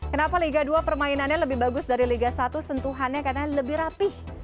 kenapa liga dua permainannya lebih bagus dari liga satu sentuhannya karena lebih rapih